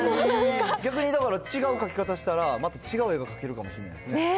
逆にだから、違う描き方したら、また違う絵が描けるかもしれないですね。